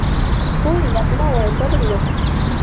Ҡуй, ятма улай, тор инде.